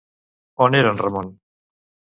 On era en Ramon?